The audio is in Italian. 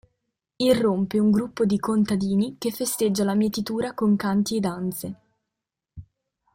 Irrompe un gruppo di contadini che festeggia la mietitura con canti e danze.